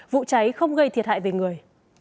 vụ cháy không gây thiệt hại về người